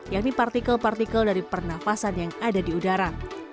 yakni partikel partikel dari pernafasan yang ada di udara